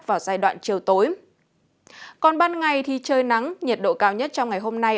vào giai đoạn chiều tối còn ban ngày thì trời nắng nhiệt độ cao nhất trong ngày hôm nay